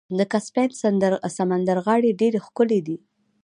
د کسپین سمندر غاړې ډیرې ښکلې دي.